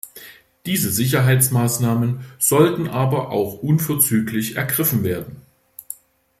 Diese Sicherheitsmaßnahmen sollten aber auch unverzüglich ergriffen werden.